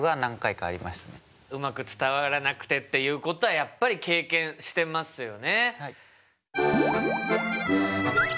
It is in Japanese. うまく伝わらなくてっていうことはやっぱり経験してますよね。